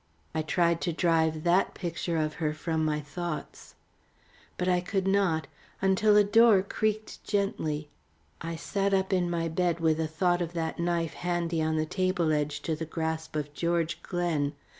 I tried to drive that picture of her from my thoughts. But I could not, until a door creaked gently. I sat up in my bed with a thought of that knife handy on the table edge to the grasp of George Glen.